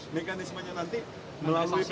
mekanismenya nanti melalui plt